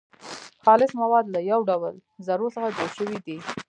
خالص مواد له يو ډول ذرو څخه جوړ سوي دي .